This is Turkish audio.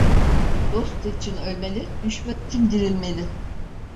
Dost için ölmeli, düşman için dirilmeli.